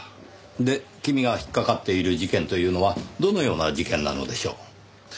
で君が引っかかっている事件というのはどのような事件なのでしょう？